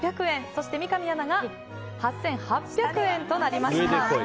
そして三上アナが８８００円となりました。